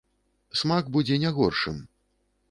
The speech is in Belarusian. Смак будзе не горшым!